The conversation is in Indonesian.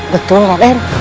betul pak ben